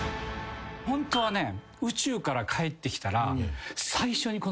ホントはね。え！？